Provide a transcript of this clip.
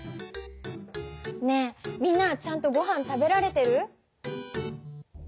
ねえみんなはちゃんとごはん食べられてる？